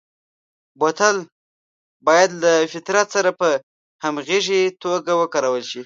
بوتل باید له فطرت سره په همغږي توګه وکارول شي.